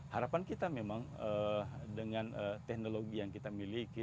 harapan kita memang dengan teknologi yang kita miliki